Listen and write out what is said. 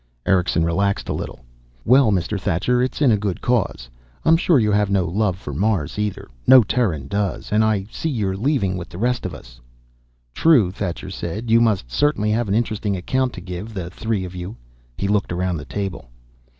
Erickson relaxed a little. "Well, Mr. Thacher, it's in a good cause. I'm sure you have no love for Mars, either. No Terran does. And I see you're leaving with the rest of us." "True," Thacher said. "You must certainly have an interesting account to give, the three of you." He looked around the table.